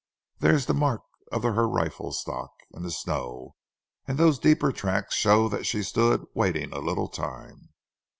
"There's the mark of her rifle stock in the snow, and those deeper tracks show that she stood waiting a little time.